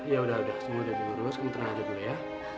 ya udah semua udah diurus kan tenang aja dulu ya